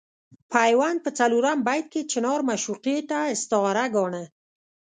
پیوند په څلورم بیت کې چنار معشوقې ته استعاره ګاڼه.